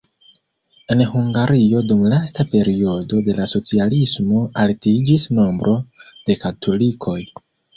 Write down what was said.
En Hungario dum lasta periodo de la socialismo altiĝis nombro de katolikoj.